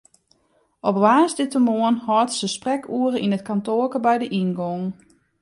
Op woansdeitemoarn hâldt se sprekoere yn it kantoarke by de yngong.